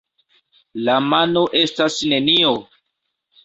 La mono estas nenio!